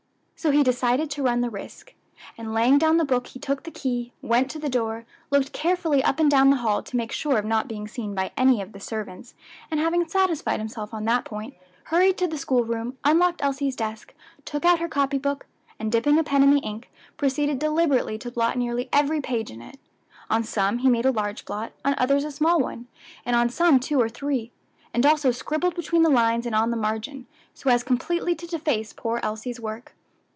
So he decided to run the risk, and laying down the book he took the key, went to the door, looked carefully up and down the hall to make sure of not being seen by any of the servants, and having satisfied himself on that point, hurried to the school room, unlocked Elsie's desk, took out her copy book, and dipping a pen in the ink, proceeded deliberately to blot nearly every page in it; on some he made a large blot, on others a small one, and on some two or three; and also scribbled between the lines and on the margin, so as completely to deface poor Elsie's work.